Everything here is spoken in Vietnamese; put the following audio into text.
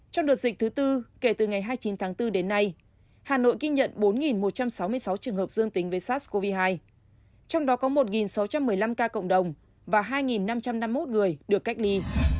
trong đợt dịch thứ tư kể từ ngày hai mươi chín tháng bốn đến nay hà nội ghi nhận bốn một trăm sáu mươi sáu trường hợp dương tính với sars cov hai trong đó có một sáu trăm một mươi năm ca cộng đồng và hai năm trăm năm mươi một người được cách ly